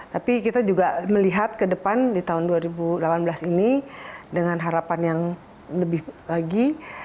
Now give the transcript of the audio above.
tapi kita juga melihat ke depan di tahun dua ribu delapan belas ini dengan harapan yang lebih lagi